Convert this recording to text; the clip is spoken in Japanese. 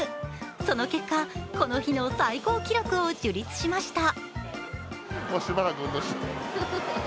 その結果、この日の最高記録を樹立しました。